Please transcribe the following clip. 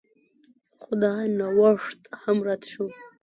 خو دا نوښت هم رد شو